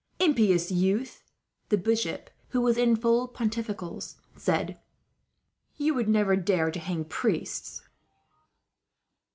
"Impious youth," the bishop, who was in full pontificals, said, "you would never dare to hang priests."